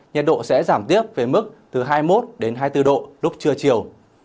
nhiệt độ sẽ giảm tiếp về mức từ hai mươi một hai mươi bốn độ lúc trưa chiều